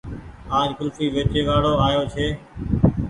آج ڪولڦي ويچي واڙو ڇي